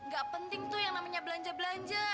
gak penting tuh yang namanya belanja belanja